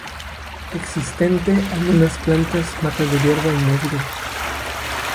Existente algunas plantas, matas de hierba y musgos.